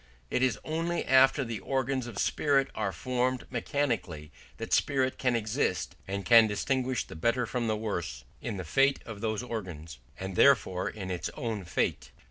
It is only after the organs of spirit are formed mechanically that spirit can exist, and can distinguish the better from the worse in the fate of those organs, and therefore in its own fate.